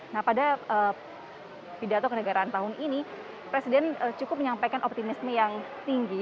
nah pada pidato kenegaraan tahun ini presiden cukup menyampaikan optimisme yang tinggi